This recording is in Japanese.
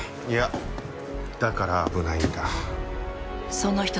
いやだから危ないんだ。